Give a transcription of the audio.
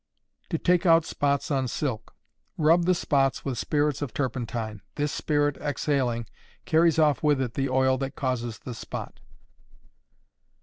To take out Spots on Silk. Rub the spots with spirits of turpentine; this spirit exhaling, carries off with it the oil that causes the spot.